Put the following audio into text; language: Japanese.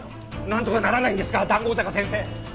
なんとかならないんですか談合坂先生！